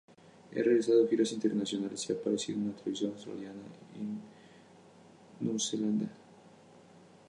Ha realizado giras internacionales y ha aparecido en la televisión australiana y neozelandesa.